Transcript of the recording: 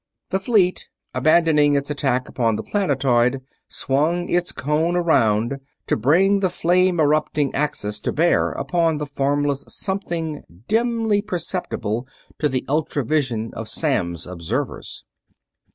The fleet, abandoning its attack upon the planetoid, swung its cone around, to bring the flame erupting axis to bear upon the formless something dimly perceptible to the ultra vision of Samms' observers.